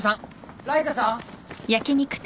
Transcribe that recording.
ライカさん！？